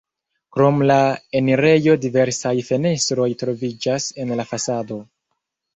Krom la enirejo diversaj fenestroj troviĝas en la fasado.